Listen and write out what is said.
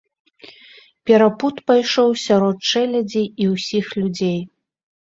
Перапуд пайшоў сярод чэлядзі і ўсіх людзей.